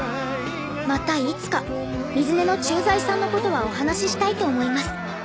またいつか水根の駐在さんのことはお話ししたいと思います。